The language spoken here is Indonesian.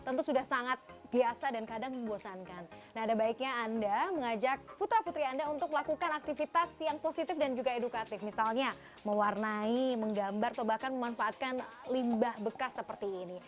menggambar atau bahkan memanfaatkan limbah bekas seperti ini